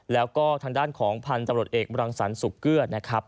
แล้วก็ทางด้านของพันธุ์ตำรวจเอกบรังสันสุโกรธ